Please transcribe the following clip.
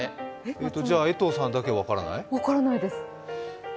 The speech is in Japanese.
江藤さんだけ分からない？